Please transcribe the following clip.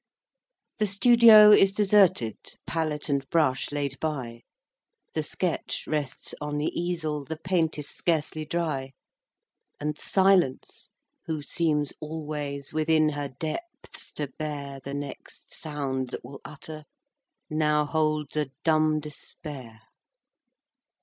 I. The studio is deserted, Palette and brush laid by, The sketch rests on the easel, The paint is scarcely dry; And Silence—who seems always Within her depths to bear The next sound that will utter— Now holds a dumb despair.